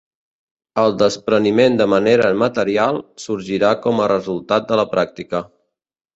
El despreniment de manera material sorgirà com a resultat de la pràctica.